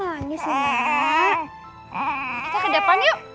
kita ke depan yuk